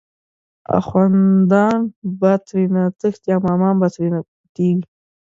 اخوندان به ترینه تښتی، امامان به تری پټیږی